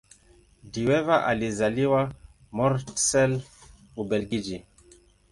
De Wever alizaliwa Mortsel, Ubelgiji.